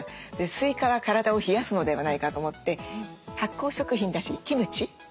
スイカは体を冷やすのではないかと思って発酵食品だしキムチ？